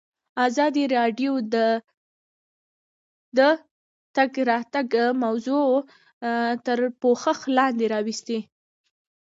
ازادي راډیو د د تګ راتګ ازادي موضوع تر پوښښ لاندې راوستې.